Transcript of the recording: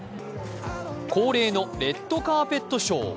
恒例のレッドカーペットショー。